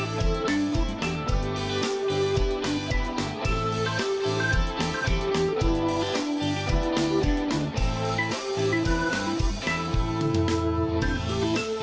โปรดติดตามตอนต่อไป